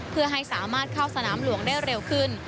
เพื่อให้สามารถเข้าสนามหลวงได้เร็วขึ้น